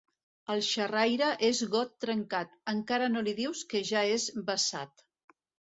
El xerraire és got trencat: encara no li dius que ja és vessat.